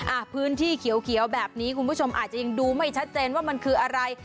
อ่ะพื้นที่เขียวแบบนี้คุณผู้ชมอาจจะยังดูไม่ชัดเจนว่ามันคืออะไร